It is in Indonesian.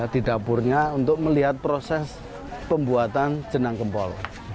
di dapurnya untuk melihat proses pembuatan jenang gempol